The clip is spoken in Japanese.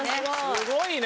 すごいね！